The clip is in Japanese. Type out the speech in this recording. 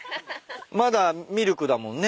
まだミルクだもんね？